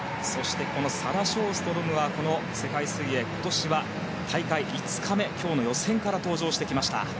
サラ・ショーストロムはこの世界水泳、今年は大会５日目今日の予選から登場してきました。